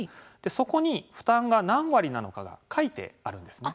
そこに負担が何割なのかが書いてあるんですね。